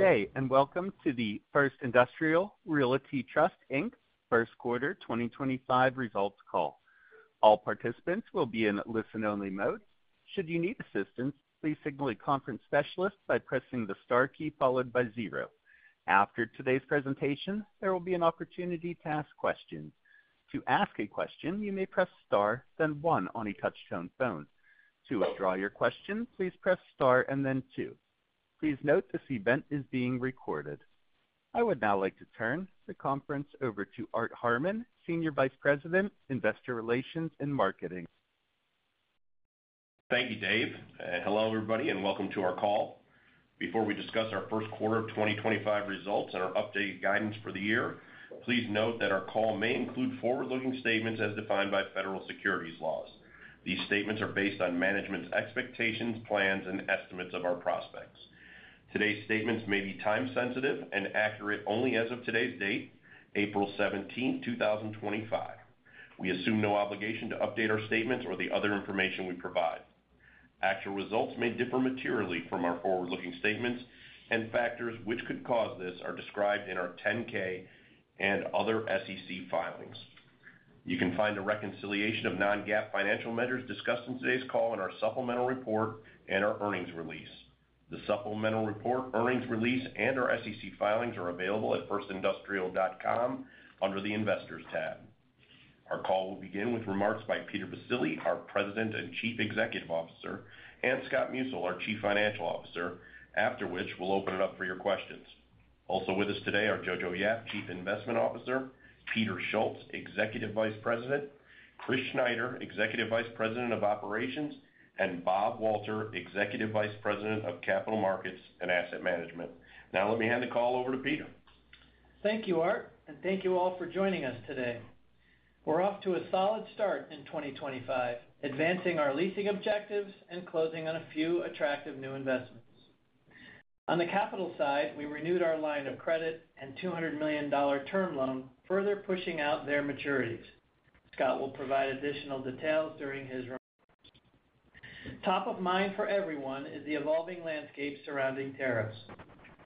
Good day, and welcome to the First Industrial Realty Trust Q1 2025 Results Call. All participants will be in listen-only mode. Should you need assistance, please signal a conference specialist by pressing the star key followed by zero. After today's presentation, there will be an opportunity to ask questions. To ask a question, you may press star, then one on a touch-tone phone. To withdraw your question, please press star and then two. Please note this event is being recorded. I would now like to turn the conference over to Art Harmon, Senior Vice President, Investor Relations and Marketing. Thank you, Dave. Hello, everybody, and welcome to our call. Before we discuss our Q1 2025 results and our updated guidance for the year, please note that our call may include forward-looking statements as defined by federal securities laws. These statements are based on management's expectations, plans, and estimates of our prospects. Today's statements may be time-sensitive and accurate only as of today's date, April 17, 2025. We assume no obligation to update our statements or the other information we provide. Actual results may differ materially from our forward-looking statements, and factors which could cause this are described in our 10-K and other SEC filings. You can find a reconciliation of non-GAAP financial measures discussed in today's call in our supplemental report and our earnings release. The supplemental report, earnings release, and our SEC filings are available at firstindustrial.com under the Investors tab. Our call will begin with remarks by Peter Baccile, our President and Chief Executive Officer, and Scott Musil, our Chief Financial Officer, after which we'll open it up for your questions. Also with us today are Jojo Yap, Chief Investment Officer; Peter Schultz, Executive Vice President; Chris Schneider, Executive Vice President of Operations; and Bob Walter, Executive Vice President of Capital Markets and Asset Management. Now, let me hand the call over to Peter. Thank you, Art, and thank you all for joining us today. We're off to a solid start in 2025, advancing our leasing objectives and closing on a few attractive new investments. On the capital side, we renewed our line of credit and $200 million term loan, further pushing out their maturities. Scott will provide additional details during his remarks. Top of mind for everyone is the evolving landscape surrounding tariffs.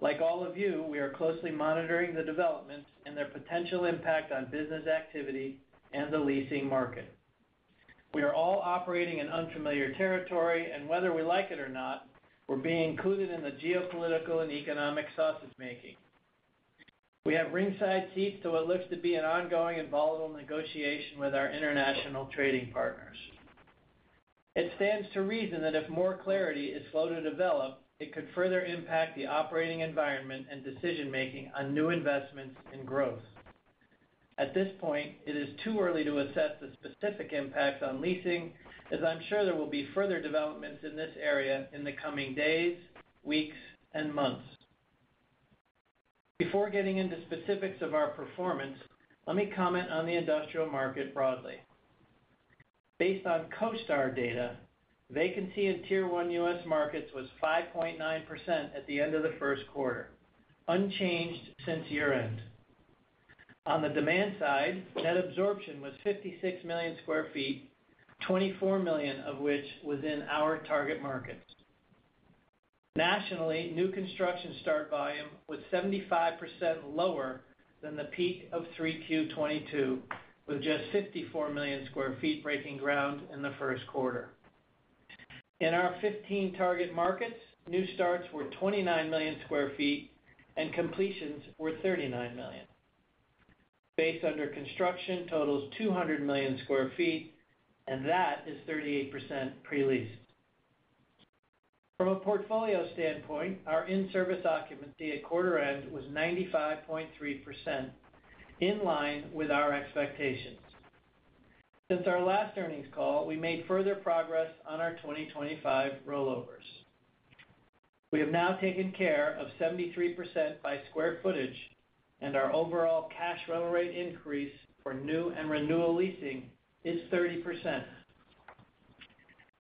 Like all of you, we are closely monitoring the developments and their potential impact on business activity and the leasing market. We are all operating in unfamiliar territory, and whether we like it or not, we're being included in the geopolitical and economic sausage-making. We have ringside seats to what looks to be an ongoing and volatile negotiation with our international trading partners. It stands to reason that if more clarity is slow to develop, it could further impact the operating environment and decision-making on new investments and growth. At this point, it is too early to assess the specific impacts on leasing, as I'm sure there will be further developments in this area in the coming days, weeks, and months. Before getting into specifics of our performance, let me comment on the industrial market broadly. Based on CoStar data, vacancy in Tier 1 U.S. markets was 5.9% at the end of the Q1, unchanged since year-end. On the demand side, net absorption was 56 million sq ft, 24 million of which was in our target markets. Nationally, new construction start volume was 75% lower than the peak of 3Q 2022, with just 54 million sq ft breaking ground in the Q1. In our 15 target markets, new starts were 29 million sq ft, and completions were 39 million. Base under construction totals 200 million sq ft, and that is 38% pre-leased. From a portfolio standpoint, our in-service occupancy at quarter-end was 95.3%, in line with our expectations. Since our last earnings call, we made further progress on our 2025 rollovers. We have now taken care of 73% by square footage, and our overall cash rental rate increase for new and renewal leasing is 30%.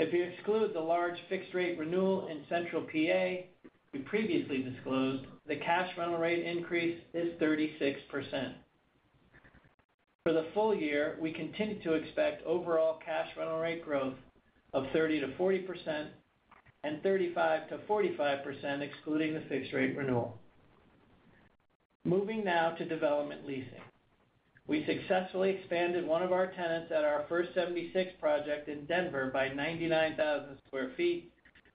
If you exclude the large fixed-rate renewal in Central PA, we previously disclosed the cash rental rate increase is 36%. For the full year, we continue to expect overall cash rental rate growth of 30%-40% and 35%-45% excluding the fixed-rate renewal. Moving now to development leasing. We successfully expanded one of our tenants at our First 76 project in Denver by 99,000 sq ft,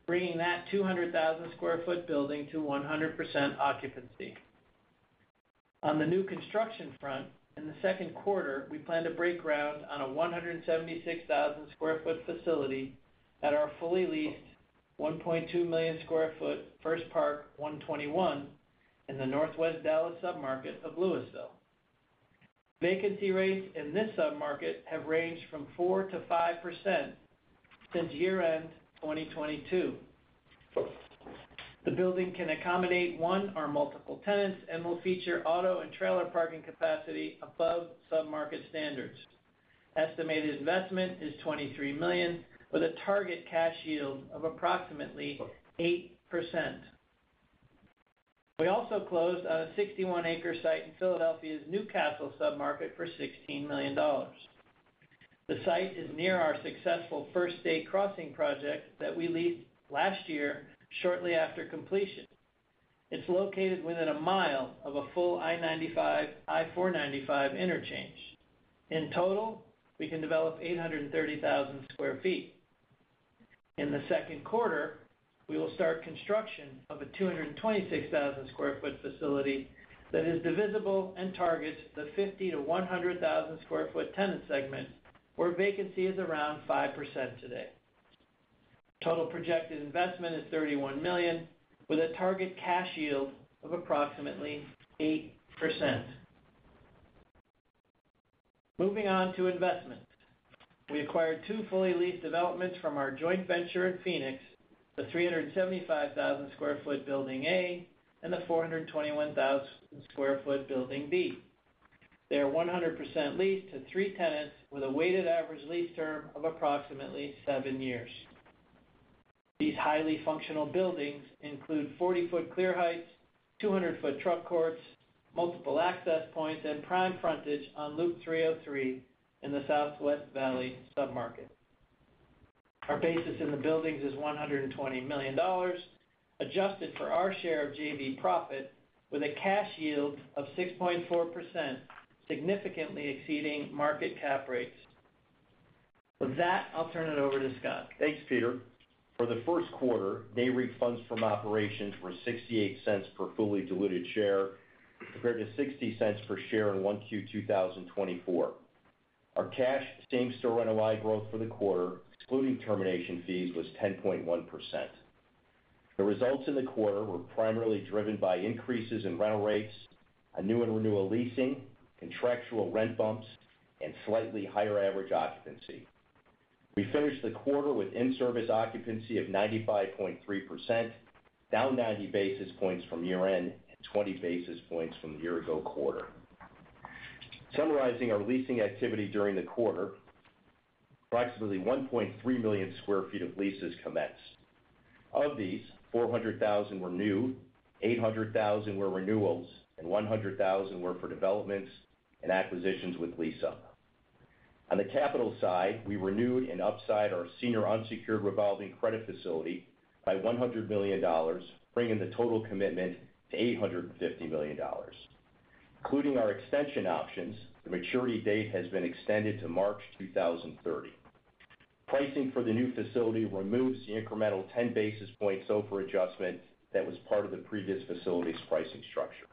bringing that 200,000 sq ft building to 100% occupancy. On the new construction front, in the Q2, we plan to break ground on a 176,000 sq ft facility at our fully leased, 1.2 million sq ft First Park 121 in the Northwest Dallas submarket of Lewisville. Vacancy rates in this submarket have ranged from 4% to 5% since year-end 2022. The building can accommodate one or multiple tenants and will feature auto and trailer parking capacity above submarket standards. Estimated investment is $23 million, with a target cash yield of approximately 8%. We also closed on a 61-acre site in Philadelphia's New Castle submarket for $16 million. The site is near our successful First State Crossing project that we leased last year shortly after completion. It's located within a mile of a full I-95/I-495 interchange. In total, we can develop 830,000 sq ft. In the Q2, we will start construction of a 226,000 sq ft facility that is divisible and targets the 50,000-100,000 sq ft tenant segment, where vacancy is around 5% today. Total projected investment is $31 million, with a target cash yield of approximately 8%. Moving on to investment, we acquired two fully leased developments from our joint venture in Phoenix, the 375,000 sq ft Building A and the 421,000 sq ft Building B. They are 100% leased to three tenants with a weighted average lease term of approximately seven years. These highly functional buildings include 40-foot clear heights, 200-foot truck courts, multiple access points, and prime frontage on Loop 303 in the Southwest Valley submarket. Our basis in the buildings is $120 million, adjusted for our share of JV profit, with a cash yield of 6.4%, significantly exceeding market cap rates. With that, I'll turn it over to Scott. Thanks, Peter. For the Q1, Nareit funds from operations were $0.68 per fully diluted share compared to $0.60 per share in Q1 2024. Our cash same-store NOI growth for the quarter, excluding termination fees, was 10.1%. The results in the quarter were primarily driven by increases in rental rates, new and renewal leasing, contractual rent bumps, and slightly higher average occupancy. We finished the quarter with in-service occupancy of 95.3%, down 90 basis points from year-end and 20 basis points from the year-ago quarter. Summarizing our leasing activity during the quarter, approximately 1.3 million sq ft of leases commenced. Of these, 400,000 were new, 800,000 were renewals, and 100,000 were for developments and acquisitions with lease-up. On the capital side, we renewed and upsized our senior unsecured revolving credit facility by $100 million, bringing the total commitment to $850 million. Including our extension options, the maturity date has been extended to March 2030. Pricing for the new facility removes the incremental 10 basis points SOFR adjustment that was part of the previous facility's pricing structure.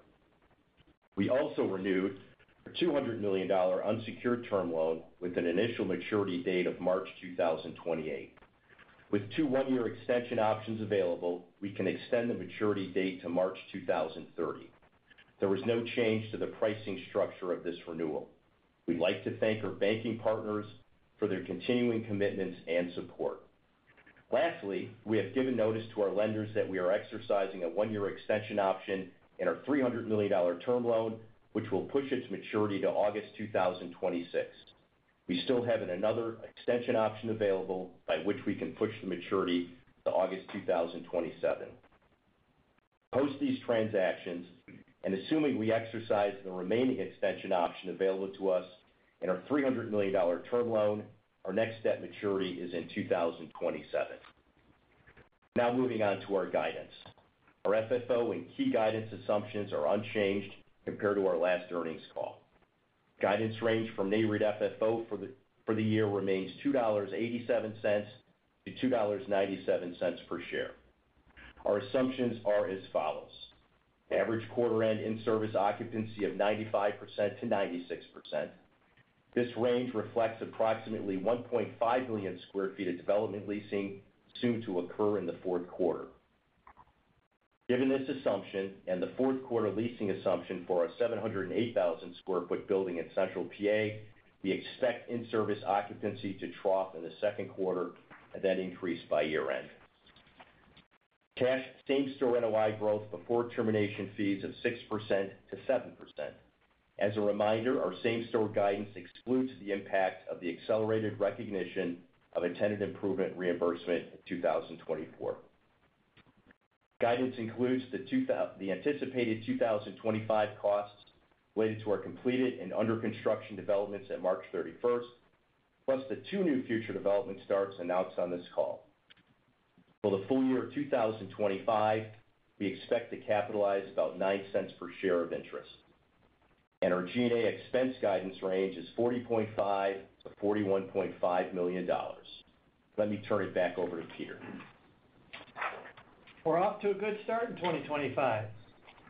We also renewed a $200 million unsecured term loan with an initial maturity date of March 2028. With two one-year extension options available, we can extend the maturity date to March 2030. There was no change to the pricing structure of this renewal. We'd like to thank our banking partners for their continuing commitments and support. Lastly, we have given notice to our lenders that we are exercising a one-year extension option in our $300 million term loan, which will push its maturity to August 2026. We still have another extension option available by which we can push the maturity to August 2027. Post these transactions, and assuming we exercise the remaining extension option available to us in our $300 million term loan, our next step maturity is in 2027. Now moving on to our guidance. Our FFO and key guidance assumptions are unchanged compared to our last earnings call. Guidance range from Nareit FFO for the year remains $2.87-$2.97 per share. Our assumptions are as follows: average quarter-end in-service occupancy of 95%-96%. This range reflects approximately 1.5 million sq ft of development leasing soon to occur in the Q4. Given this assumption and the Q4 leasing assumption for our 708,000 sq ft building in Central PA, we expect in-service occupancy to trough in the Q2 and then increase by year-end. Cash same-store NOI growth before termination fees of 6%-7%. As a reminder, our same-store guidance excludes the impact of the accelerated recognition of intended improvement reimbursement in 2024. Guidance includes the anticipated 2025 costs related to our completed and under-construction developments at March 31, plus the two new future development starts announced on this call. For the full year of 2025, we expect to capitalize about $0.09 per share of interest. Our G&A expense guidance range is $40.5 million-$41.5 million. Let me turn it back over to Peter. We're off to a good start in 2025.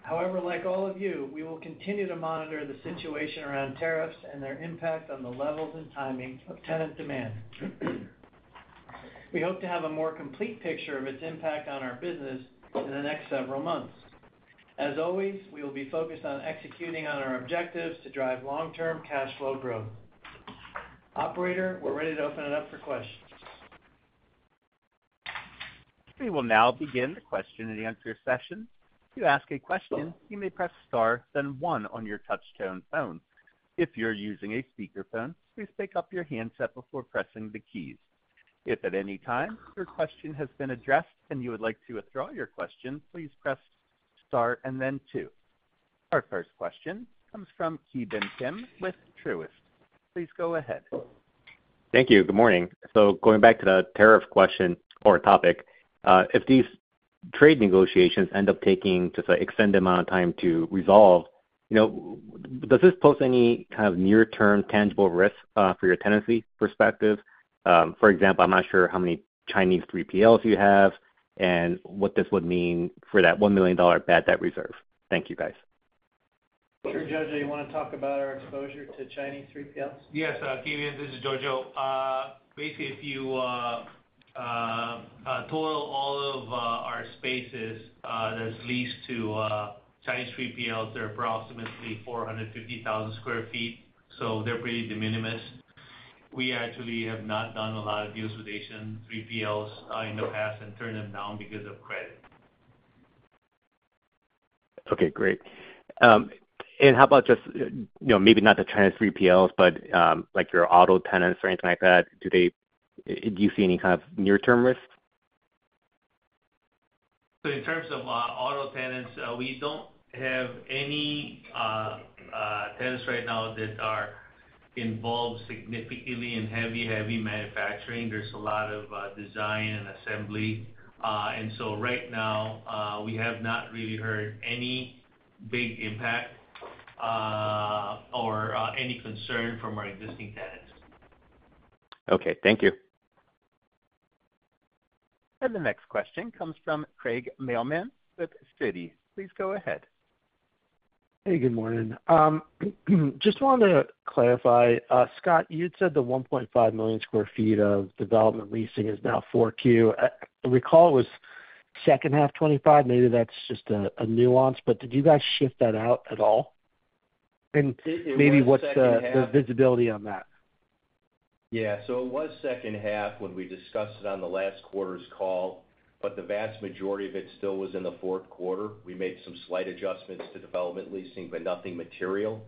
However, like all of you, we will continue to monitor the situation around tariffs and their impact on the levels and timing of tenant demand. We hope to have a more complete picture of its impact on our business in the next several months. As always, we will be focused on executing on our objectives to drive long-term cash flow growth. Operator, we're ready to open it up for questions. We will now begin the question and answer session. To ask a question, you may press Star, then 1 on your touch-tone phone. If you're using a speakerphone, please pick up your handset before pressing the keys. If at any time your question has been addressed and you would like to withdraw your question, please press Star and then 2. Our first question comes from Ki Bin Kim with Truist. Please go ahead. Thank you. Good morning. Going back to the tariff question or topic, if these trade negotiations end up taking just an extended amount of time to resolve, does this pose any kind of near-term tangible risk for your tenancy perspective? For example, I'm not sure how many Chinese 3PLs you have and what this would mean for that $1 million bad debt reserve. Thank you, guys. Sir, Jojo, you want to talk about our exposure to Chinese 3PLs? Yes, Ki Bin, this is Jojo. Basically, if you total all of our spaces that's leased to Chinese 3PLs, they're approximately 450,000 sq ft, so they're pretty de minimis. We actually have not done a lot of deals with Asian 3PLs in the past and turned them down because of credit. Okay, great. How about just maybe not the Chinese 3PLs, but your auto tenants or anything like that? Do you see any kind of near-term risk? In terms of auto tenants, we do not have any tenants right now that are involved significantly in heavy, heavy manufacturing. There is a lot of design and assembly. Right now, we have not really heard any big impact or any concern from our existing tenants. Okay, thank you. The next question comes from Craig Mailman with Citi. Please go ahead. Hey, good morning. Just wanted to clarify, Scott, you had said the 1.5 million sq ft of development leasing is now 4Q. I recall it was second half 2025. Maybe that's just a nuance, but did you guys shift that out at all? Maybe what's the visibility on that? Yeah, it was second half when we discussed it on the last quarter's call, but the vast majority of it still was in the Q4. We made some slight adjustments to development leasing, but nothing material.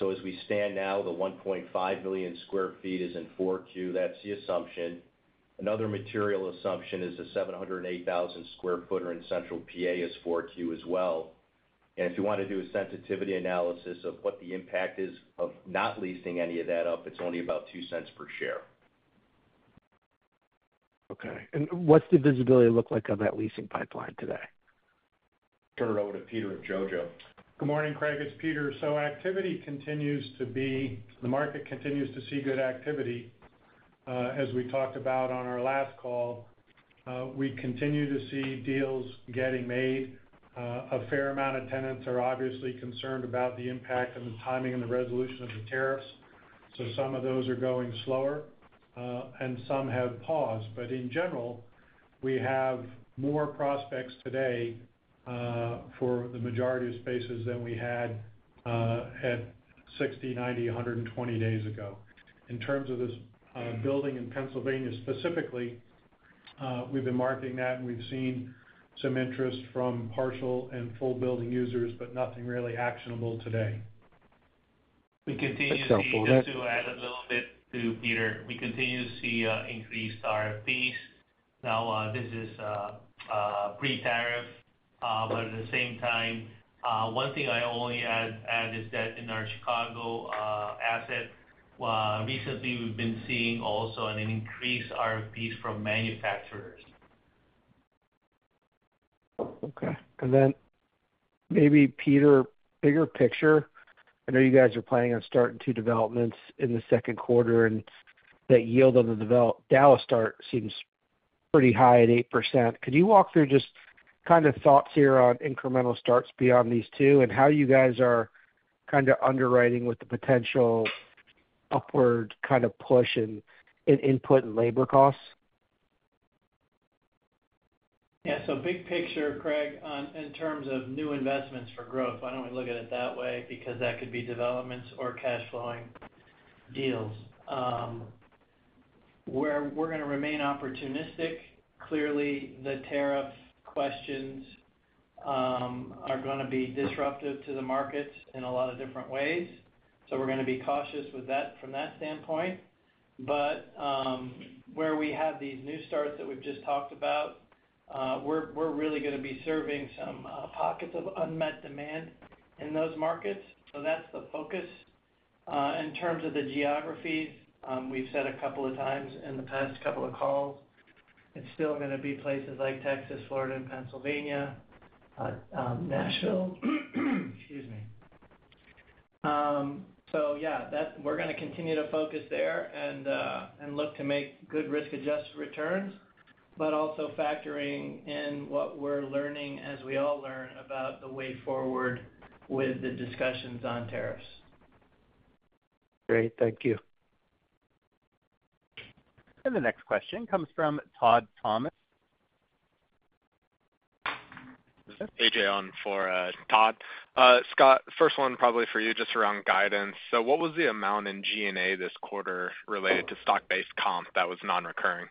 As we stand now, the 1.5 million sq ft is in 4Q. That's the assumption. Another material assumption is the 708,000 sq ft in Central PA is 4Q as well. If you want to do a sensitivity analysis of what the impact is of not leasing any of that up, it's only about 2 cents per share. Okay. What does the visibility look like on that leasing pipeline today? Turn it over to Peter and Jojo. Good morning, Craig. It's Peter. Activity continues to be. The market continues to see good activity. As we talked about on our last call, we continue to see deals getting made. A fair amount of tenants are obviously concerned about the impact and the timing and the resolution of the tariffs. Some of those are going slower, and some have paused. In general, we have more prospects today for the majority of spaces than we had at 60, 90, 120 days ago. In terms of this building in Pennsylvania specifically, we've been marking that, and we've seen some interest from partial and full building users, but nothing really actionable today. We continue to see, just to add a little bit to Peter, we continue to see increased RFPs. Now, this is pre-tariff, but at the same time, one thing I only add is that in our Chicago asset, recently we have been seeing also an increase in RFPs from manufacturers. Okay. And then maybe, Peter, bigger picture. I know you guys are planning on starting two developments in the Q2, and that yield on the Dallas start seems pretty high at 8%. Could you walk through just kind of thoughts here on incremental starts beyond these two and how you guys are kind of underwriting with the potential upward kind of push in input and labor costs? Yeah. So big picture, Craig, in terms of new investments for growth, why do not we look at it that way because that could be developments or cash-flowing deals. We are going to remain opportunistic. Clearly, the tariff questions are going to be disruptive to the markets in a lot of different ways. We are going to be cautious from that standpoint. Where we have these new starts that we have just talked about, we are really going to be serving some pockets of unmet demand in those markets. That is the focus. In terms of the geographies, we have said a couple of times in the past couple of calls, it is still going to be places like Texas, Florida, and Pennsylvania, Nashville. Excuse me. Yeah, we're going to continue to focus there and look to make good risk-adjusted returns, but also factoring in what we're learning as we all learn about the way forward with the discussions on tariffs. Great. Thank you. The next question comes from Todd Thomas. Hey, Jon, for Todd. Scott, first one probably for you just around guidance. What was the amount in G&A this quarter related to stock-based comp that was non-recurring?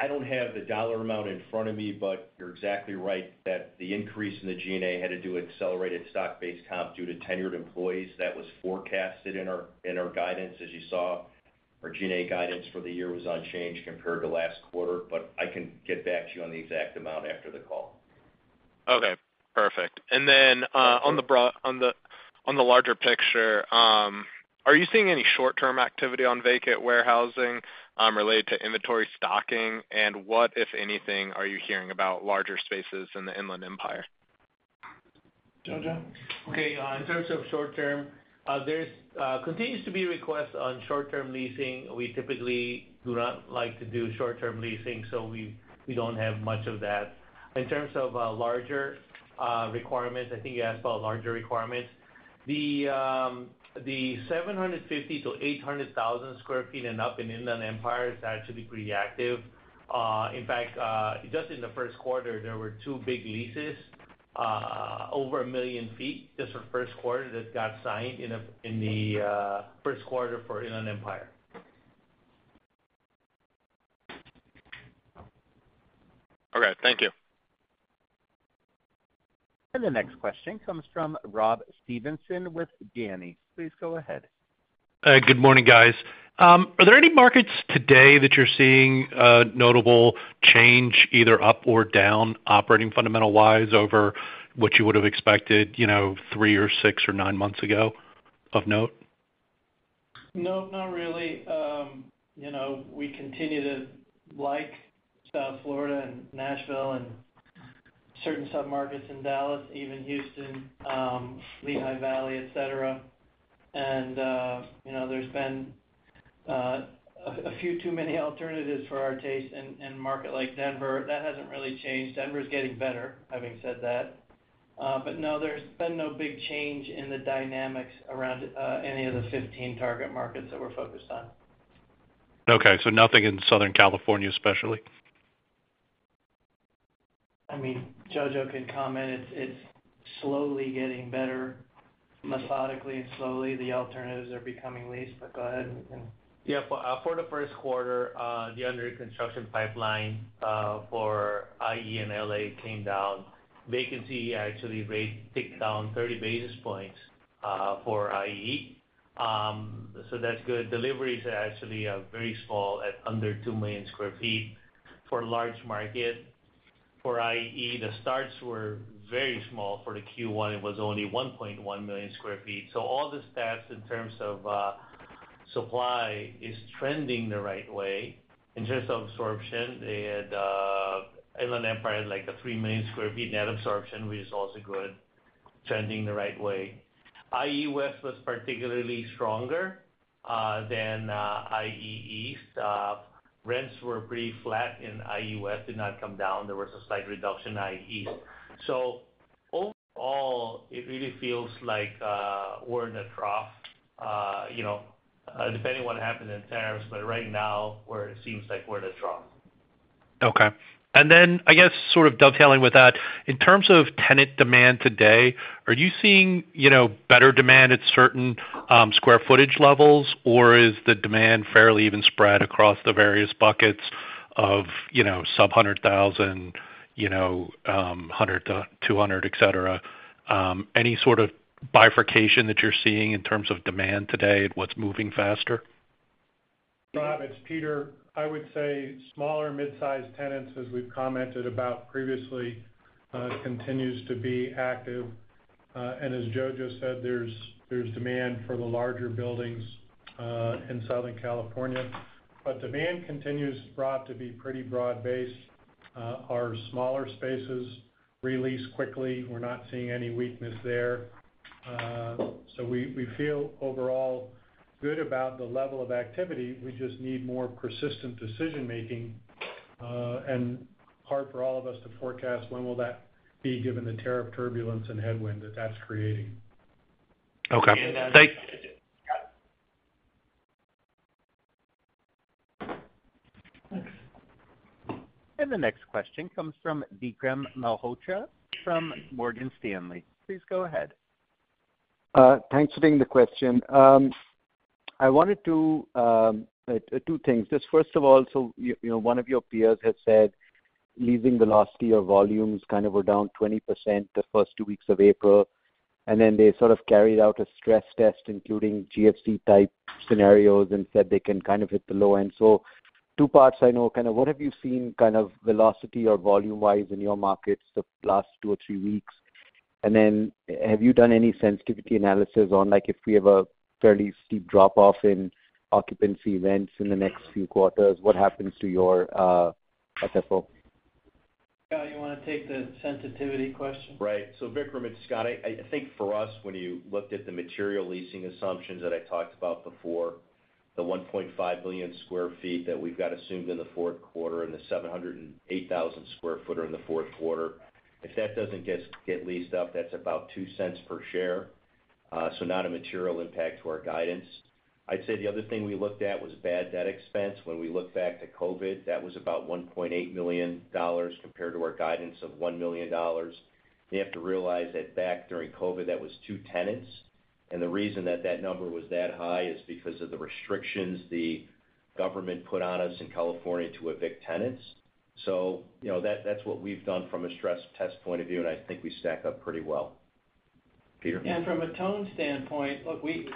I don't have the dollar amount in front of me, but you're exactly right that the increase in the G&A had to do with accelerated stock-based comp due to tenured employees. That was forecasted in our guidance. As you saw, our G&A guidance for the year was unchanged compared to last quarter, but I can get back to you on the exact amount after the call. Okay. Perfect. On the larger picture, are you seeing any short-term activity on vacant warehousing related to inventory stocking? What, if anything, are you hearing about larger spaces in the Inland Empire? Jojo? Okay. In terms of short-term, there continues to be requests on short-term leasing. We typically do not like to do short-term leasing, so we do not have much of that. In terms of larger requirements, I think you asked about larger requirements. The 750-800,000 sq ft and up in Inland Empire is actually pretty active. In fact, just in the Q1, there were two big leases over 1 million feet just for the Q1 that got signed in the Q1 for Inland Empire. Okay. Thank you. The next question comes from Rob Stevenson with Janney. Please go ahead. Good morning, guys. Are there any markets today that you're seeing notable change, either up or down, operating fundamental-wise over what you would have expected three or six or nine months ago of note? Nope, not really. We continue to like South Florida and Nashville and certain sub-markets in Dallas, even Houston, Lehigh Valley, etc. There has been a few too many alternatives for our taste in a market like Denver. That has not really changed. Denver is getting better, having said that. No, there has been no big change in the dynamics around any of the 15 target markets that we are focused on. Okay. So nothing in Southern California especially? I mean, Jojo can comment. It's slowly getting better methodically and slowly. The alternatives are becoming least, but go ahead. Yeah. For the Q1, the under-construction pipeline for IE and LA came down. Vacancy actually ticked down 30 basis points for IE. That's good. Deliveries are actually very small at under 2 million sq ft for a large market. For IE, the starts were very small. For the Q1, it was only 1.1 million sq ft. All the stats in terms of supply are trending the right way. In terms of absorption, Inland Empire had like a 3 million sq ft net absorption, which is also good, trending the right way. IE West was particularly stronger than IE East. Rents were pretty flat in IE West, did not come down. There was a slight reduction in IE East. Overall, it really feels like we're in a trough, depending on what happens in tariffs, but right now, it seems like we're in a trough. Okay. I guess, sort of dovetailing with that, in terms of tenant demand today, are you seeing better demand at certain square footage levels, or is the demand fairly even spread across the various buckets of sub-100,000, 100, 200, etc.? Any sort of bifurcation that you're seeing in terms of demand today and what's moving faster? Bob, it's Peter. I would say smaller mid-size tenants, as we've commented about previously, continues to be active. As Jojo said, there's demand for the larger buildings in Southern California. Demand continues to be pretty broad-based. Our smaller spaces release quickly. We're not seeing any weakness there. We feel overall good about the level of activity. We just need more persistent decision-making. It is hard for all of us to forecast when will that be given the tariff turbulence and headwind that that's creating. Okay. Thank you. The next question comes from Vikram Malhotra from Morgan Stanley. Please go ahead. Thanks for taking the question. I wanted to add two things. Just first of all, one of your peers had said leasing velocity or volumes kind of were down 20% the first two weeks of April. They sort of carried out a stress test, including GFC-type scenarios, and said they can kind of hit the low end. Two parts I know. What have you seen kind of velocity or volume-wise in your markets the last two or three weeks? Have you done any sensitivity analysis on if we have a fairly steep drop-off in occupancy events in the next few quarters? What happens to your FFO? Yeah. You want to take the sensitivity question? Right. Vikram, it's Scott, I think for us, when you looked at the material leasing assumptions that I talked about before, the 1.5 million sq ft that we've got assumed in the Q4 and the 708,000 sq ft in the Q4, if that does not get leased up, that's about 2 cents per share. Not a material impact to our guidance. I'd say the other thing we looked at was bad debt expense. When we look back to COVID, that was about $1.8 million compared to our guidance of $1 million. You have to realize that back during COVID, that was two tenants. The reason that number was that high is because of the restrictions the government put on us in California to evict tenants. That is what we've done from a stress test point of view, and I think we stack up pretty well. Peter? From a tone standpoint, look, we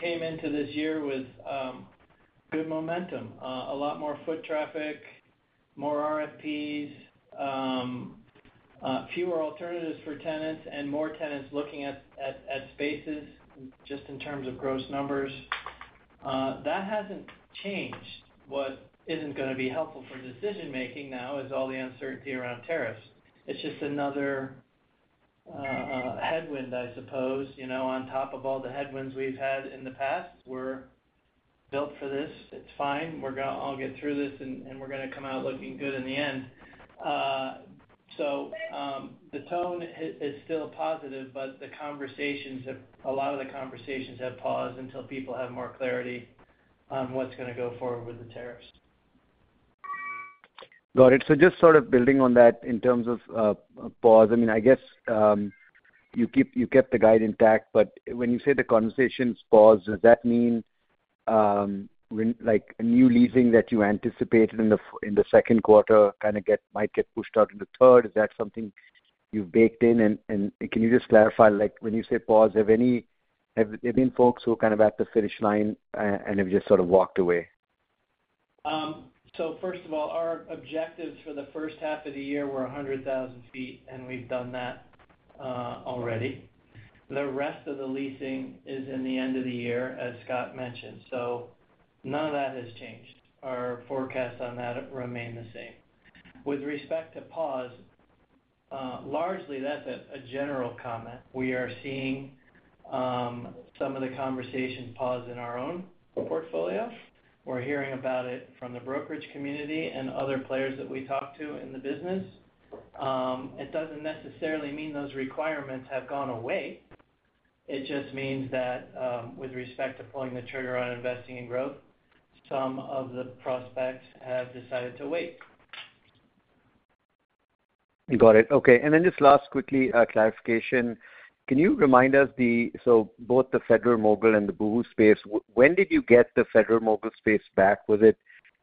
came into this year with good momentum. A lot more foot traffic, more RFPs, fewer alternatives for tenants, and more tenants looking at spaces just in terms of gross numbers. That has not changed. What is not going to be helpful for decision-making now is all the uncertainty around tariffs. It is just another headwind, I suppose, on top of all the headwinds we have had in the past. We are built for this. It is fine. We are going to all get through this, and we are going to come out looking good in the end. The tone is still positive, but a lot of the conversations have paused until people have more clarity on what is going to go forward with the tariffs. Got it. Just sort of building on that in terms of pause, I mean, I guess you kept the guide intact. When you say the conversation's paused, does that mean new leasing that you anticipated in the Q2 kind of might get pushed out in the third? Is that something you've baked in? Can you just clarify? When you say pause, have there been folks who kind of at the finish line and have just sort of walked away? First of all, our objectives for the first half of the year were 100,000 sq ft, and we've done that already. The rest of the leasing is in the end of the year, as Scott mentioned. None of that has changed. Our forecasts on that remain the same. With respect to pause, largely, that's a general comment. We are seeing some of the conversation pause in our own portfolio. We're hearing about it from the brokerage community and other players that we talk to in the business. It doesn't necessarily mean those requirements have gone away. It just means that with respect to pulling the trigger on investing in growth, some of the prospects have decided to wait. Got it. Okay. And then just last quickly, clarification. Can you remind us, so both the Federal-Mogul and the Boohoo space, when did you get the Federal-Mogul space back? Was it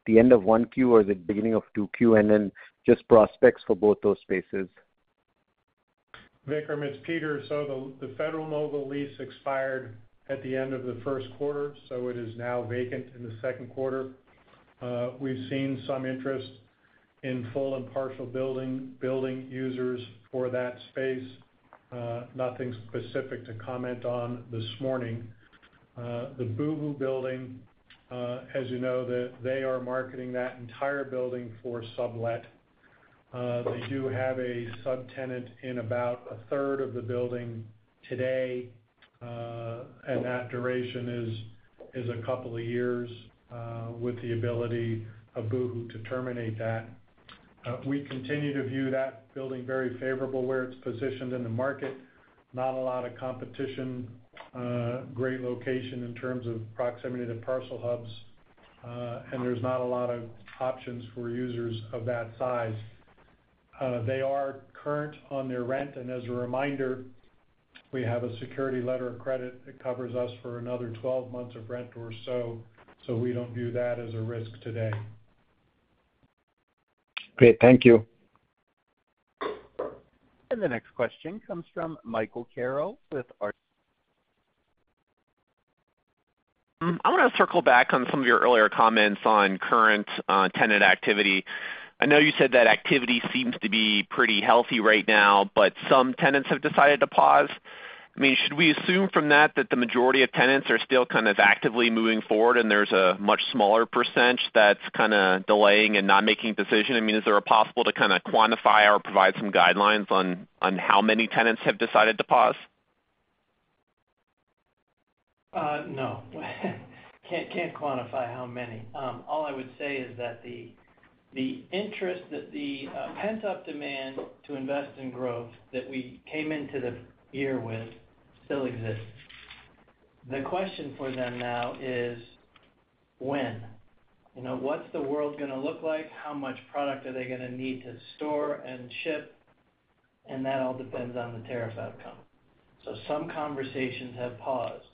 the end of 1Q or is it beginning of 2Q? And then just prospects for both those spaces. Vikram, it's Peter. The Federal-Mogul lease expired at the end of the Q1, so it is now vacant in the Q2. We've seen some interest in full and partial building users for that space. Nothing specific to comment on this morning. The Boohoo building, as you know, they are marketing that entire building for sublet. They do have a subtenant in about a third of the building today, and that duration is a couple of years with the ability of Boohoo to terminate that. We continue to view that building very favorably where it's positioned in the market. Not a lot of competition. Great location in terms of proximity to parcel hubs, and there's not a lot of options for users of that size. They are current on their rent. As a reminder, we have a security letter of credit that covers us for another 12 months of rent or so, so we do not view that as a risk today. Great. Thank you. The next question comes from Michael Carroll. I want to circle back on some of your earlier comments on current tenant activity. I know you said that activity seems to be pretty healthy right now, but some tenants have decided to pause. I mean, should we assume from that that the majority of tenants are still kind of actively moving forward and there's a much smaller % that's kind of delaying and not making a decision? I mean, is there a possible to kind of quantify or provide some guidelines on how many tenants have decided to pause? No. Can't quantify how many. All I would say is that the interest, the pent-up demand to invest in growth that we came into the year with still exists. The question for them now is when. What's the world going to look like? How much product are they going to need to store and ship? That all depends on the tariff outcome. Some conversations have paused.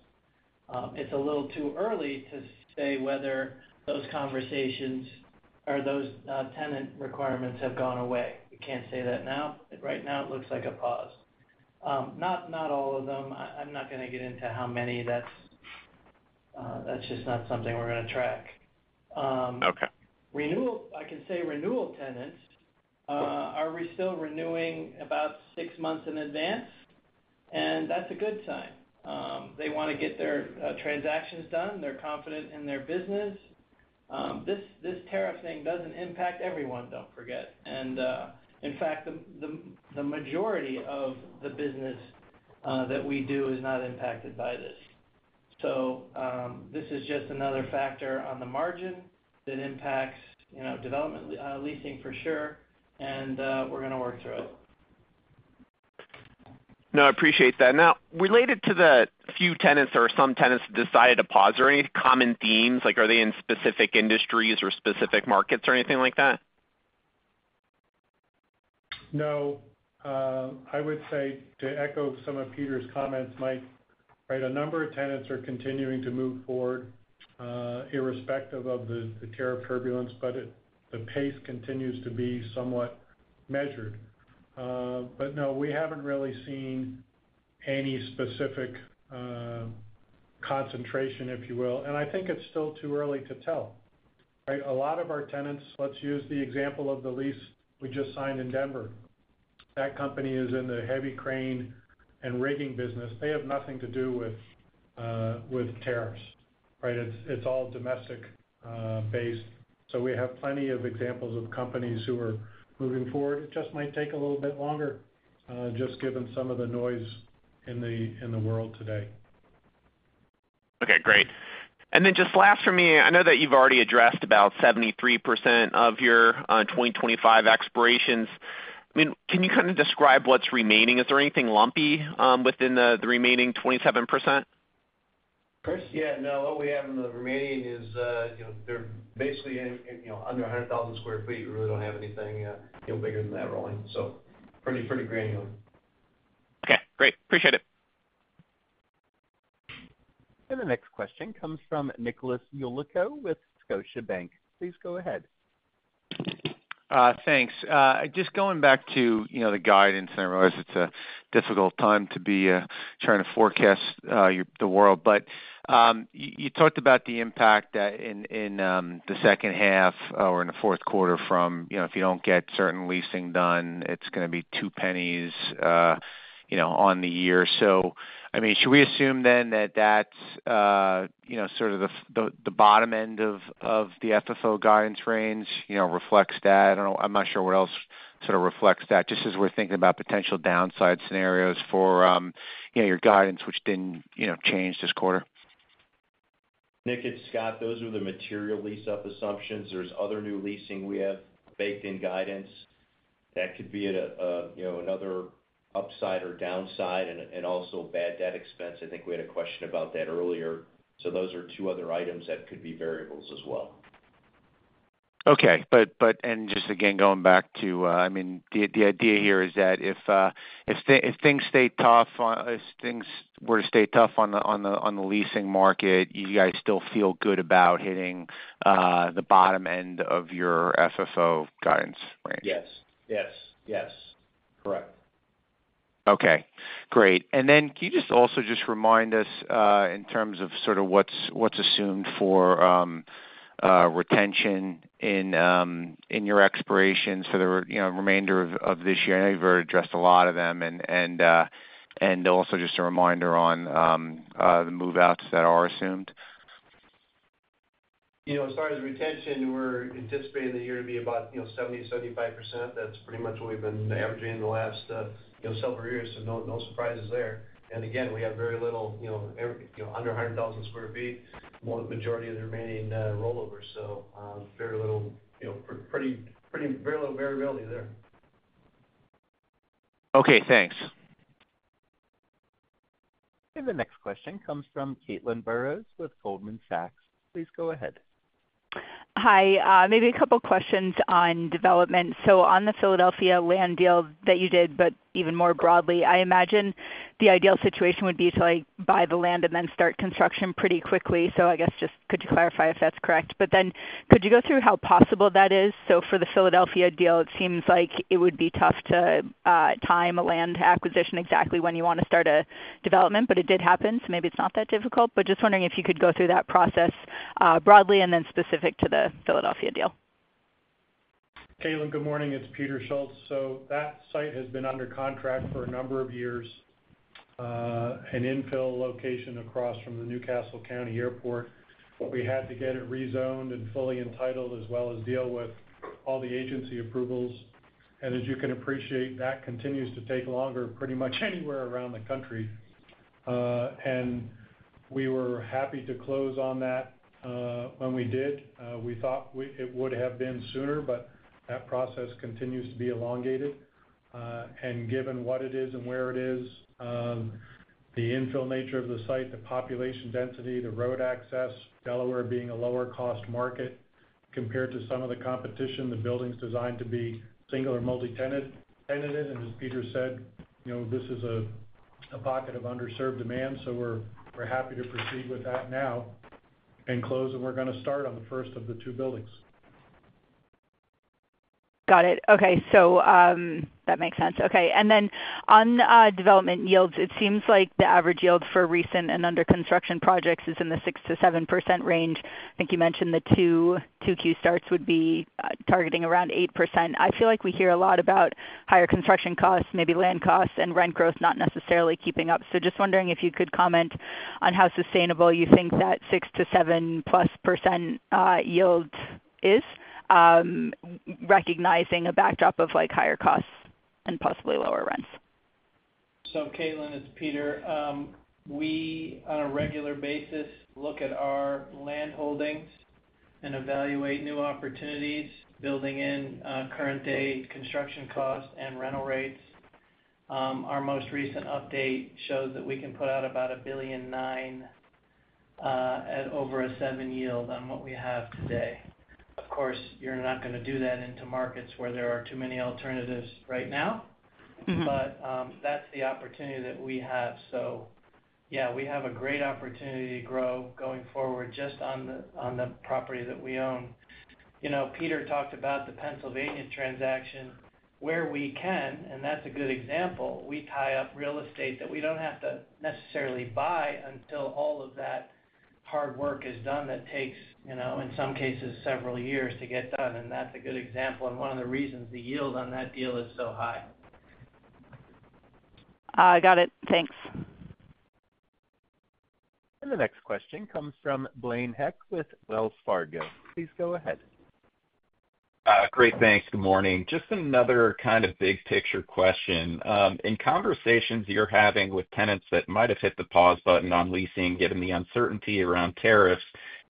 It's a little too early to say whether those conversations or those tenant requirements have gone away. We can't say that now. Right now, it looks like a pause. Not all of them. I'm not going to get into how many. That's just not something we're going to track. I can say renewal tenants. Are we still renewing about six months in advance? That's a good sign. They want to get their transactions done. They're confident in their business. This tariff thing does not impact everyone, do not forget. In fact, the majority of the business that we do is not impacted by this. This is just another factor on the margin that impacts development leasing for sure, and we are going to work through it. No, I appreciate that. Now, related to the few tenants or some tenants that decided to pause, are there any common themes? Are they in specific industries or specific markets or anything like that? No. I would say, to echo some of Peter's comments, Mike, right, a number of tenants are continuing to move forward irrespective of the tariff turbulence, but the pace continues to be somewhat measured. No, we have not really seen any specific concentration, if you will. I think it is still too early to tell. Right? A lot of our tenants, let's use the example of the lease we just signed in Denver, that company is in the heavy crane and rigging business. They have nothing to do with tariffs. Right? It is all domestic-based. We have plenty of examples of companies who are moving forward. It just might take a little bit longer, just given some of the noise in the world today. Okay. Great. And then just last for me, I know that you've already addressed about 73% of your 2025 expirations. I mean, can you kind of describe what's remaining? Is there anything lumpy within the remaining 27%? Chris, yeah. No, what we have in the remaining is they're basically under 100,000 sq ft. We really don't have anything bigger than that rolling. So pretty granular. Okay. Great. Appreciate it. The next question comes from Nicholas Yulico with Scotiabank. Please go ahead. Thanks. Just going back to the guidance, I realize it's a difficult time to be trying to forecast the world, but you talked about the impact in the second half or in the Q4 from if you don't get certain leasing done, it's going to be two pennies on the year. I mean, should we assume then that that's sort of the bottom end of the FFO guidance range reflects that? I'm not sure what else sort of reflects that, just as we're thinking about potential downside scenarios for your guidance, which didn't change this quarter. Nick it's Scott, those are the material lease-up assumptions. There is other new leasing we have baked in guidance. That could be another upside or downside and also bad debt expense. I think we had a question about that earlier. Those are two other items that could be variables as well. Okay. Just again, going back to, I mean, the idea here is that if things stay tough, if things were to stay tough on the leasing market, you guys still feel good about hitting the bottom end of your FFO guidance range? Yes. Yes. Yes. Correct. Okay. Great. Can you just also just remind us in terms of sort of what's assumed for retention in your expirations for the remainder of this year? I know you've already addressed a lot of them. Also just a reminder on the move-outs that are assumed. As far as retention, we're anticipating the year to be about 70-75%. That's pretty much what we've been averaging in the last several years, so no surprises there. Again, we have very little under 100,000 sq ft, majority of the remaining rollover. So very little variability there. Okay. Thanks. The next question comes from Caitlin Burrows with Goldman Sachs. Please go ahead. Hi. Maybe a couple of questions on development. On the Philadelphia land deal that you did, but even more broadly, I imagine the ideal situation would be to buy the land and then start construction pretty quickly. I guess just could you clarify if that's correct? Could you go through how possible that is? For the Philadelphia deal, it seems like it would be tough to time a land acquisition exactly when you want to start a development, but it did happen. Maybe it's not that difficult. Just wondering if you could go through that process broadly and then specific to the Philadelphia deal. Caitlin, good morning. It's Peter Schultz. That site has been under contract for a number of years, an infill location across from the New Castle County Airport. We had to get it rezoned and fully entitled as well as deal with all the agency approvals. As you can appreciate, that continues to take longer pretty much anywhere around the country. We were happy to close on that when we did. We thought it would have been sooner, but that process continues to be elongated. Given what it is and where it is, the infill nature of the site, the population density, the road access, Delaware being a lower-cost market compared to some of the competition, the building's designed to be single or multi-tenanted. As Peter said, this is a pocket of underserved demand. We're happy to proceed with that now and close, and we're going to start on the first of the two buildings. Got it. Okay. That makes sense. Okay. On development yields, it seems like the average yield for recent and under-construction projects is in the 6-7% range. I think you mentioned the 2Q starts would be targeting around 8%. I feel like we hear a lot about higher construction costs, maybe land costs and rent growth not necessarily keeping up. Just wondering if you could comment on how sustainable you think that 6-7% plus yield is, recognizing a backdrop of higher costs and possibly lower rents. Caitlin, it's Peter. We, on a regular basis, look at our land holdings and evaluate new opportunities, building in current-day construction costs and rental rates. Our most recent update shows that we can put out about $1.9 billion at over a 7% yield on what we have today. Of course, you're not going to do that into markets where there are too many alternatives right now, but that's the opportunity that we have. Yeah, we have a great opportunity to grow going forward just on the property that we own. Peter talked about the Pennsylvania transaction where we can, and that's a good example. We tie up real estate that we do not have to necessarily buy until all of that hard work is done that takes, in some cases, several years to get done. That's a good example. One of the reasons the yield on that deal is so high. Got it. Thanks. The next question comes from Blaine Heck with Wells Fargo. Please go ahead. Great. Thanks. Good morning. Just another kind of big-picture question. In conversations you're having with tenants that might have hit the pause button on leasing, given the uncertainty around tariffs,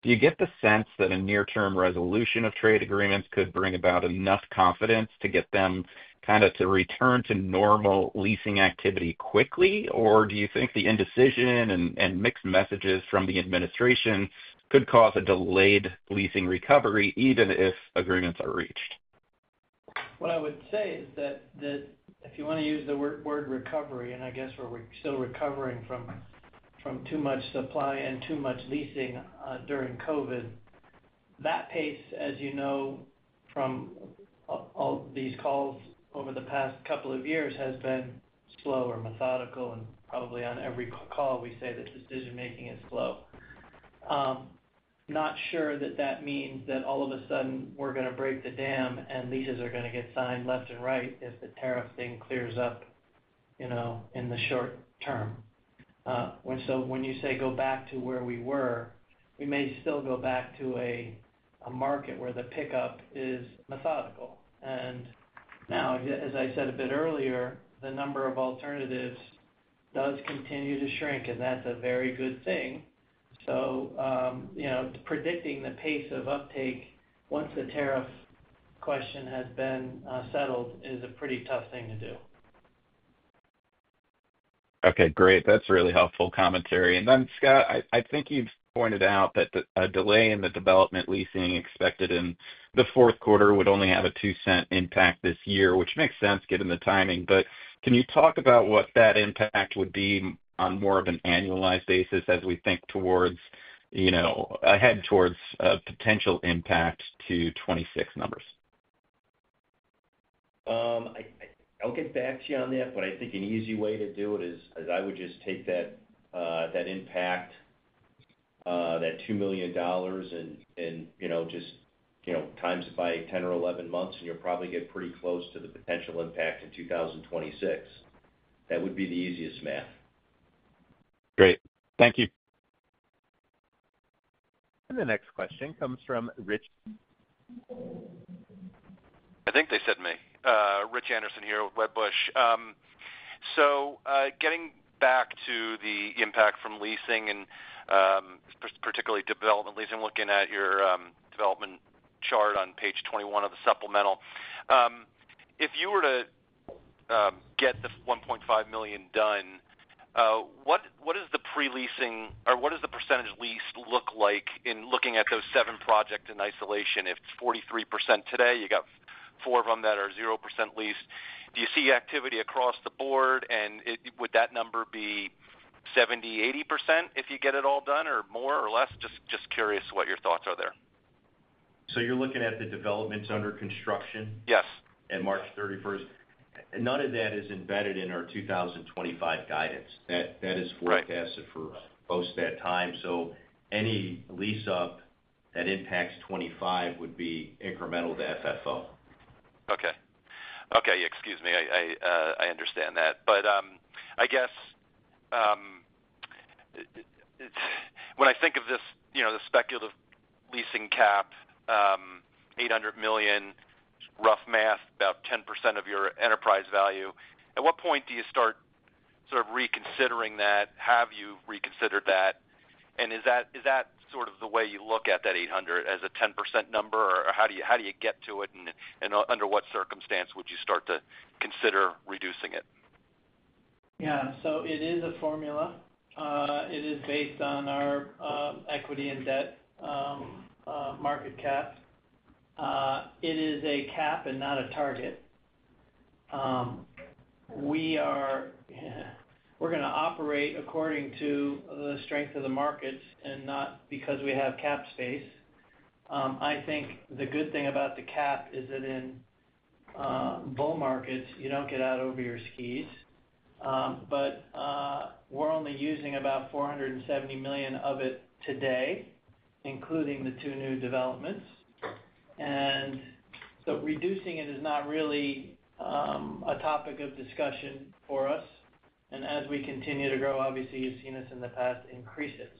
do you get the sense that a near-term resolution of trade agreements could bring about enough confidence to get them kind of to return to normal leasing activity quickly? Or do you think the indecision and mixed messages from the administration could cause a delayed leasing recovery even if agreements are reached? What I would say is that if you want to use the word recovery, and I guess we're still recovering from too much supply and too much leasing during COVID, that pace, as you know from all these calls over the past couple of years, has been slow or methodical. Probably on every call, we say that decision-making is slow. Not sure that that means that all of a sudden we're going to break the dam and leases are going to get signed left and right if the tariff thing clears up in the short term. When you say go back to where we were, we may still go back to a market where the pickup is methodical. As I said a bit earlier, the number of alternatives does continue to shrink, and that's a very good thing. Predicting the pace of uptake once the tariff question has been settled is a pretty tough thing to do. Okay. Great. That's really helpful commentary. Scott, I think you've pointed out that a delay in the development leasing expected in the Q4 would only have a 2% impact this year, which makes sense given the timing. Can you talk about what that impact would be on more of an annualized basis as we think ahead towards a potential impact to 2026 numbers? I'll get back to you on that, but I think an easy way to do it is I would just take that impact, that $2 million, and just times it by 10 or 11 months, and you'll probably get pretty close to the potential impact in 2026. That would be the easiest math. Great. Thank you. The next question comes from Rich. I think they said me. Rich Anderson here with Wedbush. Getting back to the impact from leasing and particularly development leasing, looking at your development chart on page 21 of the supplemental, if you were to get the 1.5 million done, what is the pre-leasing or what does the percentage lease look like in looking at those seven projects in isolation? If it is 43% today, you got four of them that are 0% leased. Do you see activity across the board? Would that number be 70-80% if you get it all done or more or less? Just curious what your thoughts are there. You're looking at the developments under construction? Yes. 31st March. None of that is embedded in our 2025 guidance. That is forecasted for most of that time. Any lease-up that impacts 25 would be incremental to FFO. Okay. Excuse me. I understand that. I guess when I think of this speculative leasing cap, $800 million, rough math, about 10% of your enterprise value, at what point do you start sort of reconsidering that? Have you reconsidered that? Is that sort of the way you look at that $800 million as a 10% number? How do you get to it? Under what circumstance would you start to consider reducing it? Yeah. It is a formula. It is based on our equity and debt market cap. It is a cap and not a target. We're going to operate according to the strength of the markets and not because we have cap space. I think the good thing about the cap is that in bull markets, you don't get out over your skis. We're only using about $470 million of it today, including the two new developments. Reducing it is not really a topic of discussion for us. As we continue to grow, obviously, you've seen us in the past increase it.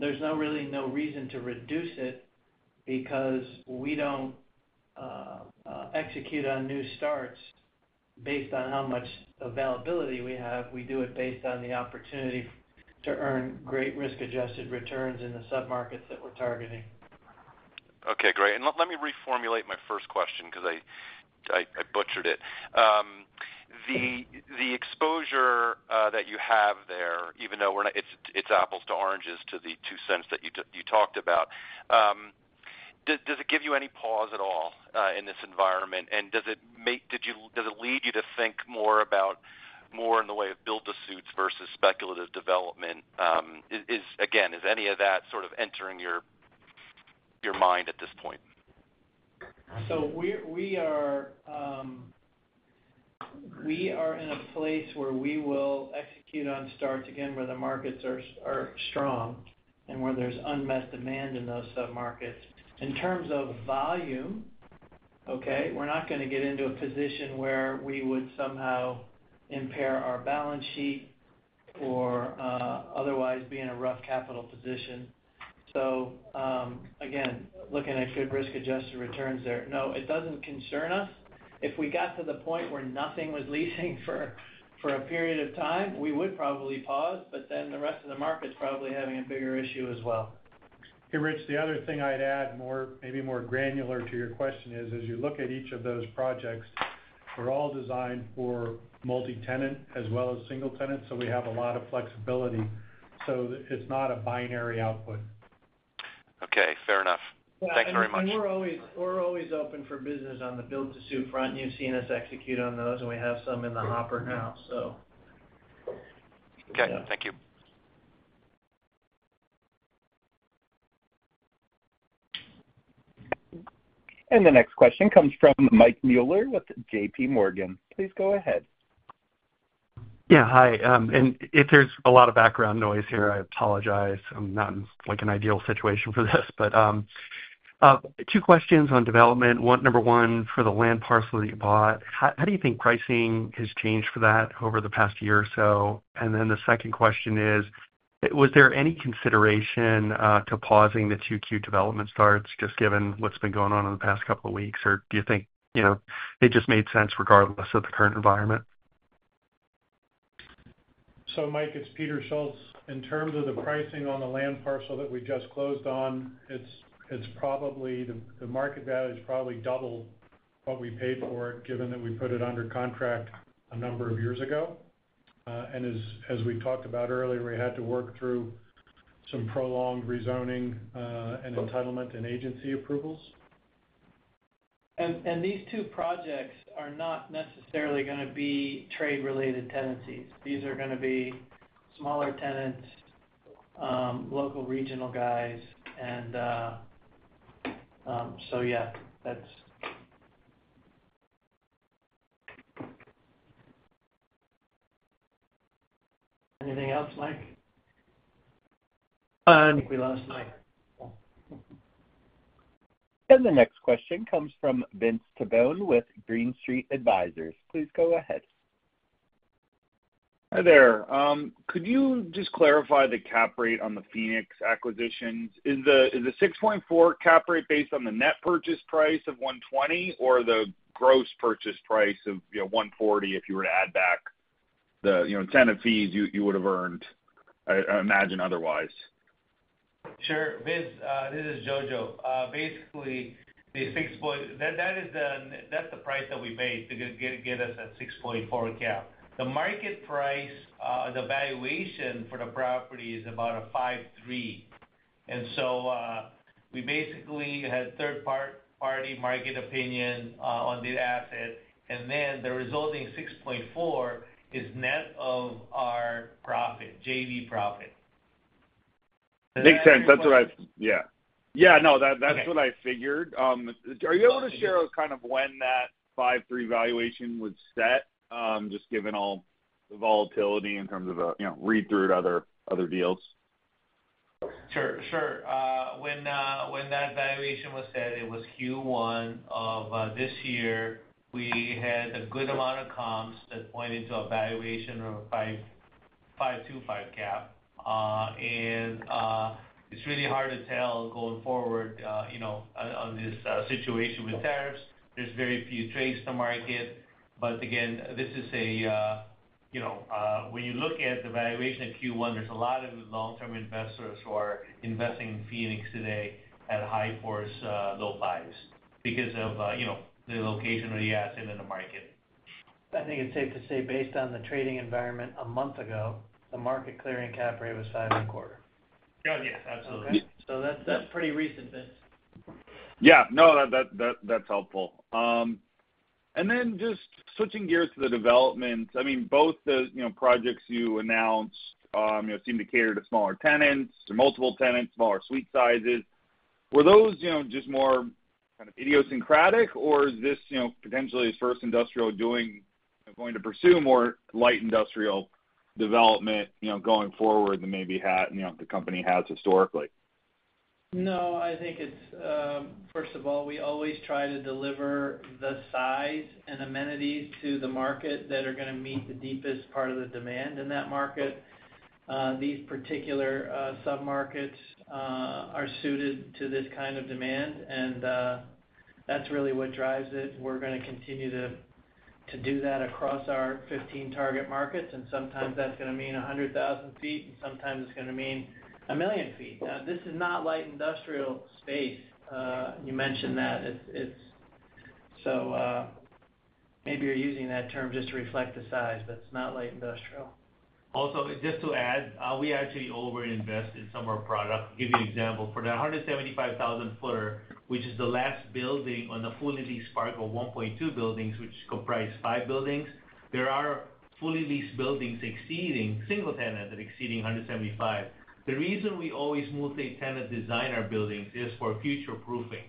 There is really no reason to reduce it because we don't execute on new starts based on how much availability we have. We do it based on the opportunity to earn great risk-adjusted returns in the submarkets that we're targeting. Okay. Great. Let me reformulate my first question because I butchered it. The exposure that you have there, even though it's apples to oranges to the 2 cents that you talked about, does it give you any pause at all in this environment? Does it lead you to think more about more in the way of build-to-suits versus speculative development? Again, is any of that sort of entering your mind at this point? We are in a place where we will execute on starts again where the markets are strong and where there is unmet demand in those submarkets. In terms of volume, okay, we are not going to get into a position where we would somehow impair our balance sheet or otherwise be in a rough capital position. Again, looking at good risk-adjusted returns there, no, it does not concern us. If we got to the point where nothing was leasing for a period of time, we would probably pause. The rest of the market is probably having a bigger issue as well. Hey, Rich, the other thing I would add, maybe more granular to your question is, as you look at each of those projects, they are all designed for multi-tenant as well as single-tenant. We have a lot of flexibility. It is not a binary output. Okay. Fair enough. Thanks very much. Yeah. I mean, we're always open for business on the build-to-suit front. You've seen us execute on those, and we have some in the hopper now, so. Okay. Thank you. The next question comes from Mike Mueller with JPMorgan. Please go ahead. Yeah. Hi. If there's a lot of background noise here, I apologize. I'm not in an ideal situation for this. Two questions on development. Number one, for the land parcel that you bought, how do you think pricing has changed for that over the past year or so? The second question is, was there any consideration to pausing the 2Q development starts just given what's been going on in the past couple of weeks? Do you think it just made sense regardless of the current environment? Mike, it's Peter Schultz. In terms of the pricing on the land parcel that we just closed on, the market value is probably double what we paid for it given that we put it under contract a number of years ago. As we talked about earlier, we had to work through some prolonged rezoning and entitlement and agency approvals. These two projects are not necessarily going to be trade-related tenancies. These are going to be smaller tenants, local regional guys. Yeah, that's anything else, Mike? I think we lost Mike. The next question comes from Vince Tibone with Green Street Advisors. Please go ahead. Hi there. Could you just clarify the cap rate on the Phoenix acquisitions? Is the 6.4% cap rate based on the net purchase price of $120 million or the gross purchase price of $140 million if you were to add back the incentive fees you would have earned, I imagine otherwise? Sure. This is Jojo. Basically, that's the price that we paid to get us a 6.4% cap. The market price, the valuation for the property is about a 5.3%. We basically had third-party market opinion on the asset. The resulting 6.4% is net of our profit, JV profit. Makes sense. That's what I—yeah. Yeah. No, that's what I figured. Are you able to share kind of when that 5.3 valuation was set, just given all the volatility in terms of read-through to other deals? Sure. Sure. When that valuation was set, it was Q1 of this year. We had a good amount of comps that pointed to a valuation of 5.25% cap. It's really hard to tell going forward on this situation with tariffs. There are very few trades to market. Again, when you look at the valuation of Q1, there are a lot of long-term investors who are investing in Phoenix today at high fours, low fives because of the location of the asset in the market. I think it's safe to say based on the trading environment a month ago, the market clearing cap rate was 5.25%. Yeah. Yes. Absolutely. Okay? That's pretty recent, Vince. Yeah. No, that's helpful. Then just switching gears to the developments, I mean, both the projects you announced seem to cater to smaller tenants or multiple tenants, smaller suite sizes. Were those just more kind of idiosyncratic, or is this potentially a First Industrial going to pursue more light industrial development going forward than maybe the company has historically? No. I think it's, first of all, we always try to deliver the size and amenities to the market that are going to meet the deepest part of the demand in that market. These particular submarkets are suited to this kind of demand. That's really what drives it. We're going to continue to do that across our 15 target markets. Sometimes that's going to mean 100,000 sq ft, and sometimes it's going to mean 1 million sq ft. Now, this is not light industrial space. You mentioned that. Maybe you're using that term just to reflect the size, but it's not light industrial. Also, just to add, we actually over-invest in some of our products. I'll give you an example. For the 175,000-footer, which is the last building on the fully leased First Park 121 buildings, which comprised five buildings, there are fully leased buildings exceeding single tenants that exceed 175. The reason we always multi-tenant design our buildings is for future proofing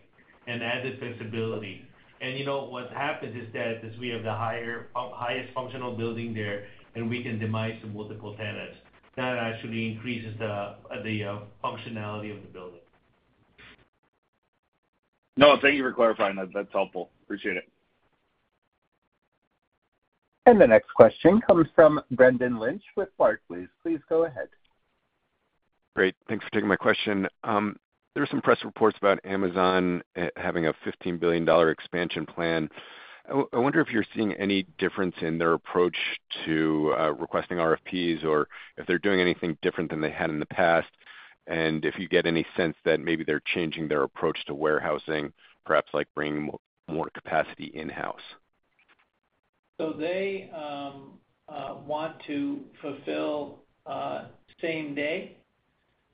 and added flexibility. What happens is that we have the highest functional building there, and we can demise the multiple tenants. That actually increases the functionality of the building. No, thank you for clarifying. That's helpful. Appreciate it. The next question comes from Brendan Lynch with Barclays. Please go ahead. Great. Thanks for taking my question. There are some press reports about Amazon having a $15 billion expansion plan. I wonder if you're seeing any difference in their approach to requesting RFPs or if they're doing anything different than they had in the past. If you get any sense that maybe they're changing their approach to warehousing, perhaps like bringing more capacity in-house. They want to fulfill same-day.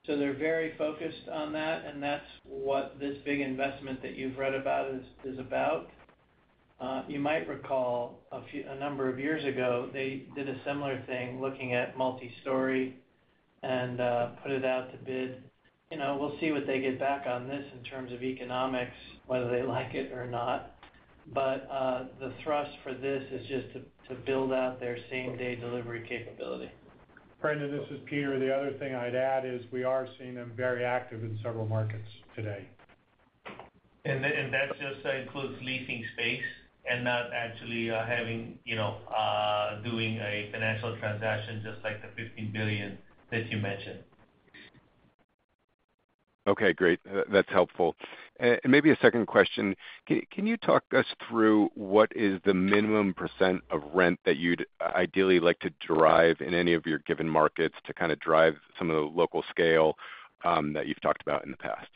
They're very focused on that. That's what this big investment that you've read about is about. You might recall a number of years ago, they did a similar thing looking at multi-story and put it out to bid. We'll see what they get back on this in terms of economics, whether they like it or not. The thrust for this is just to build out their same-day delivery capability. Brendan, this is Peter. The other thing I'd add is we are seeing them very active in several markets today. That just includes leasing space and not actually doing a financial transaction just like the $15 billion that you mentioned. Okay. Great. That's helpful. Maybe a second question. Can you talk us through what is the minimum % of rent that you'd ideally like to derive in any of your given markets to kind of drive some of the local scale that you've talked about in the past?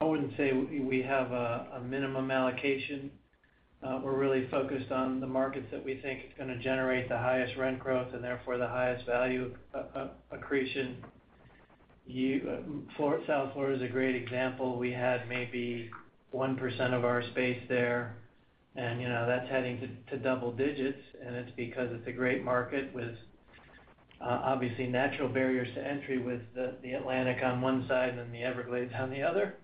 I would not say we have a minimum allocation. We are really focused on the markets that we think are going to generate the highest rent growth and therefore the highest value accretion. South Florida is a great example. We had maybe 1% of our space there. That is heading to double digits. It is because it is a great market with obviously natural barriers to entry with the Atlantic on one side and the Everglades on the other.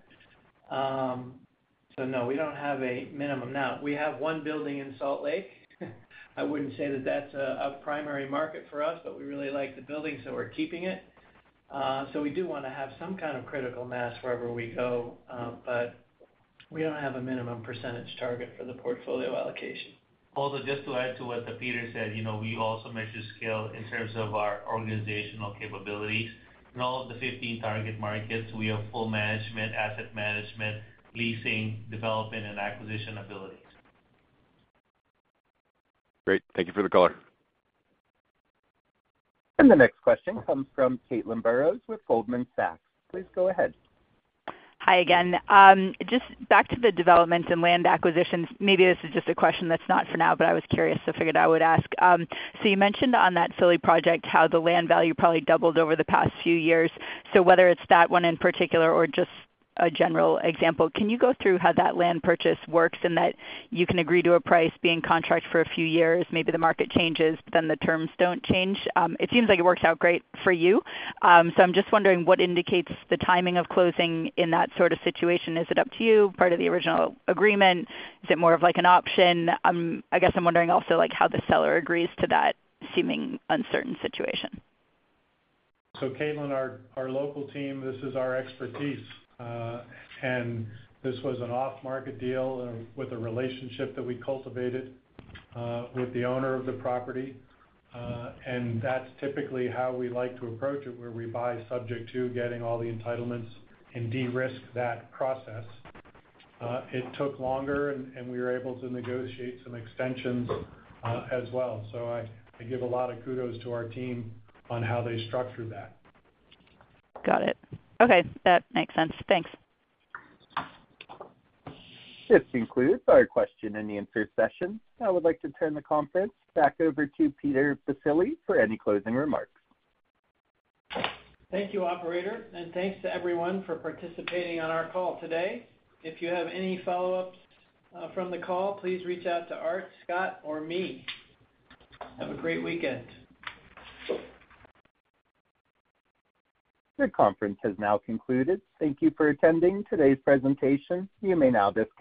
No, we do not have a minimum. We have one building in Salt Lake. I would not say that is a primary market for us, but we really like the building, so we are keeping it. We do want to have some kind of critical mass wherever we go, but we do not have a minimum % target for the portfolio allocation. Also, just to add to what Peter said, we also measure scale in terms of our organizational capabilities. In all of the 15 target markets, we have full management, asset management, leasing, development, and acquisition abilities. Great. Thank you for the call. The next question comes from Caitlin Burrows with Goldman Sachs. Please go ahead. Hi, again. Just back to the developments and land acquisitions. Maybe this is just a question that's not for now, but I was curious, so I figured I would ask. You mentioned on that Solley project how the land value probably doubled over the past few years. Whether it's that one in particular or just a general example, can you go through how that land purchase works and that you can agree to a price being contract for a few years, maybe the market changes, but then the terms do not change? It seems like it works out great for you. I am just wondering what indicates the timing of closing in that sort of situation. Is it up to you, part of the original agreement? Is it more of an option? I guess I am wondering also how the seller agrees to that seeming uncertain situation. Caitlin, our local team, this is our expertise. This was an off-market deal with a relationship that we cultivated with the owner of the property. That is typically how we like to approach it, where we buy subject to getting all the entitlements and de-risk that process. It took longer, and we were able to negotiate some extensions as well. I give a lot of kudos to our team on how they structured that. Got it. Okay. That makes sense. Thanks. This concludes our question and answer session. I would like to turn the conference back over to Peter Baccile for any closing remarks. Thank you, operator. Thank you to everyone for participating on our call today. If you have any follow-ups from the call, please reach out to Art, Scott, or me. Have a great weekend. The conference has now concluded. Thank you for attending today's presentation. You may now disconnect.